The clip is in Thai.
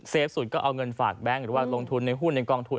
สุดก็เอาเงินฝากแบงค์หรือว่าลงทุนในหุ้นในกองทุน